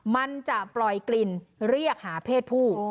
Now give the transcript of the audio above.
มันจะปล่อยกลิ่นเรียกหาเพศผู้